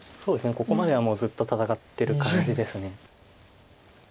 ここまではもうずっと戦ってる感じです。